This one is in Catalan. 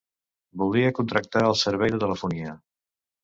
Voldria contractar el servei de telefonia.